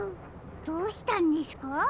どうしたんですか？